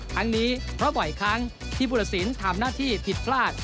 ครั้งนี้เพราะบ่อยครั้งที่บุรสินทำหน้าที่ผิดพลาด